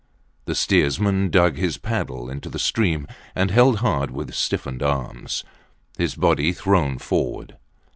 The steersman dug his paddle into the stream, and held hard with stiffened arms, his body thrown forward.